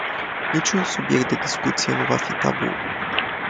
Niciun subiect de discuție nu va fi tabu.